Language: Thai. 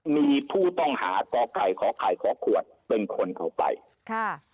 มีผู้ต้องหาต่อใครขอไข่ขอขวดเป็นคนเข้าไปค่ะ